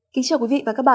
kính chào quý vị và các bạn